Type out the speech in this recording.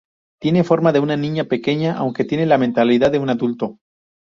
Tiene forma de una niña pequeña, aunque tiene la mentalidad de un adulto.